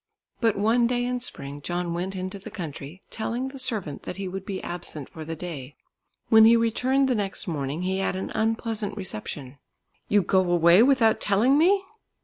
But one day in spring John went into the country, telling the servant that he would be absent for the day. When he returned the next morning he had an unpleasant reception. "You go away without telling me?"